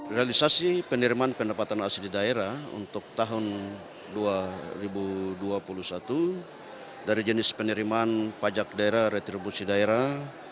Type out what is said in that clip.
realisasi penerimaan pendapatan asli daerah untuk tahun dua ribu dua puluh satu dari jenis penerimaan pajak daerah retribusi daerah